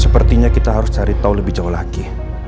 sepertinya kita harus cari tahu lebih jauh lagi